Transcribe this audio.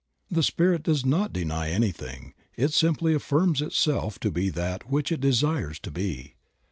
The Spirit does not deny anything, it simply affirms itself to be that which it desires to be.